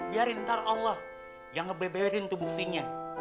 biarin ntar allah yang ngebeberin tuh buktinya